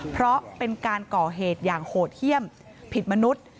เพราะเป็นการก่อเหตุอย่างโหดเยี่ยมผิดมนุษย์